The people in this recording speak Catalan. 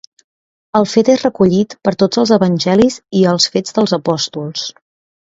El fet és recollit per tots els Evangelis i als Fets dels Apòstols.